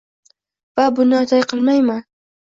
Va buni atay qilmayman.